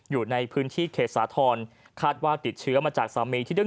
อยู่ในพื้นที่เกษฐธรณ์คาดว่าติดเชื้อมาจากสามี